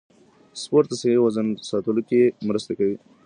سپورت د صحي وزن ساتلو کې مرسته کوي.